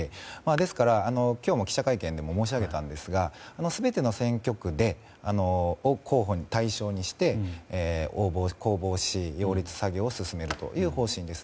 ですから、今日も記者会見でも申し上げたんですが全ての選挙区を候補を対象にして公募を進めるという方針です。